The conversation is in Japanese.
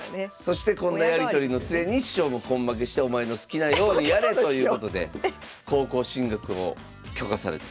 そしてこのやり取りの末に師匠も根負けしてお前の好きなようにやれということで高校進学を許可された。